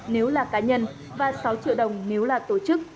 nếu là cá nhân và sáu triệu đồng nếu là tổ chức